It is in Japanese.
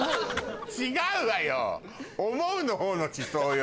違うわよ思うのほうの「思想」よ。